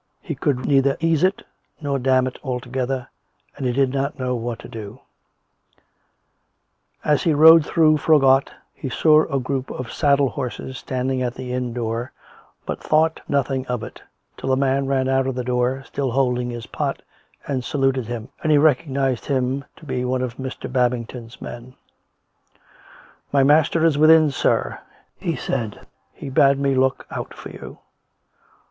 He could neither eas'e it, nor dam it altogether, and he did not know what to do. 107 108 COME RACK! COME ROPE! As he rode through Froggatt, he saw a group of saddle horses standing at the inn door, but thought nothing of it, till a man ran out of the door, still holding his pot, and saluted him, and he recognised him to be one of Mr. Babington's men. " My master is within, sir," he said; "he bade me look out for you."